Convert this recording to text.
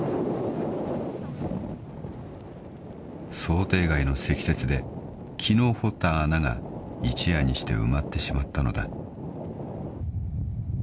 ［想定外の積雪で昨日掘った穴が一夜にして埋まってしまったのだ］